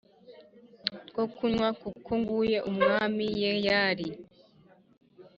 two kunywa kuko nguye umwuma Yayeli